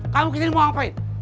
kamu kesini mau ngapain